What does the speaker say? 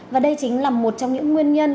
và đây chính là một trong những nguyên nhân